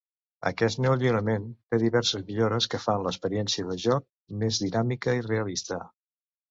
Aquest nou lliurament té diverses millores que fan l'experiència de joc més dinàmica i realista.